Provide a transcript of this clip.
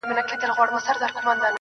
دا ستا په ياد كي بابولاله وايم.